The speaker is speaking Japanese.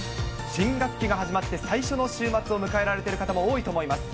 新学期が始まって最初の週末を迎えられている方も多いと思います。